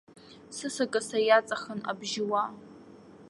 Сысакаса иаҵахын абжьыуаа.